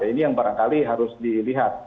ini yang barangkali harus dilihat